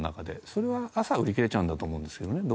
それは朝売り切れちゃうんだと思うんですよね